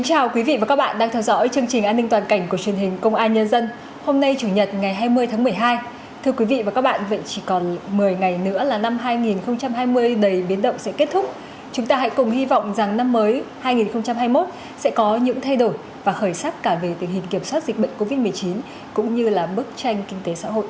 hãy đăng ký kênh để ủng hộ kênh của chúng mình nhé